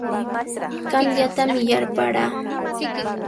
Qamllatami yarparaa.